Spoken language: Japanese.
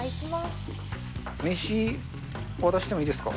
名刺、渡してもいいですか。